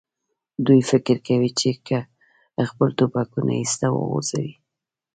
دوی فکر کوي، چې که خپل ټوپکونه ایسته وغورځوي.